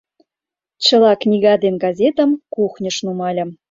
Чыла книга ден газетым кухньыш нумальым.